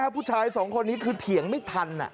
พวกนี้เผียงไม่ทัน